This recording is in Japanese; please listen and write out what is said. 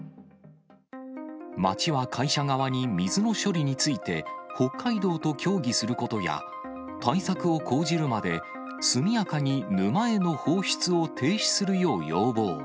町は会社側に水の処理について、北海道と協議することや、対策を講じるまで速やかに沼への放出を停止するよう要望。